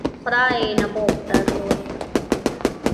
خدايي نبوغ درلود.